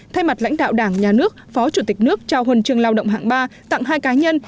thay mặt lãnh đạo đảng nhà nước phó chủ tịch nước trao hân trường lao động hạng ba tặng hai cá nhân